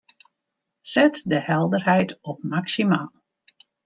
Set de helderheid op maksimaal.